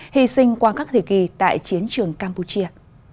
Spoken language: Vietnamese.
hy sinh qua các thời kỳ tại chiến trường campuchia